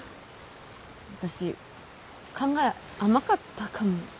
私考え甘かったかも。